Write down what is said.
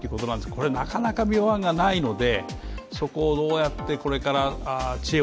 これはなかなか妙案がないので。